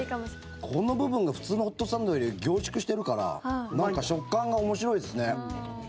この部分が普通のホットサンドより凝縮してるからなんか食感が面白いですね。